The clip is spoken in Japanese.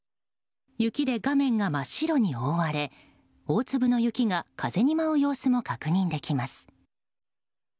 雪で画面が真っ白に覆われ大粒の雪が風に舞う様子も確認できます。